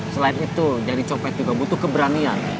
selain itu jadi copet juga butuh keberanian